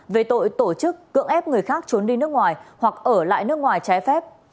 về tội tổ chức cưỡng ép người khác trốn đi nước ngoài hoặc ở lại nước ngoài trái phép